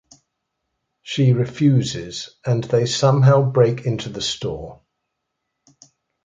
She refuses and they somehow break into the store.